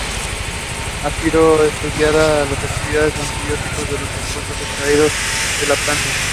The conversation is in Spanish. Han sido estudiada la actividad como antibióticos de los compuestos extraídos de esta planta.